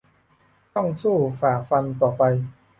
ต้องสู้ฝ่าฟันต่อไป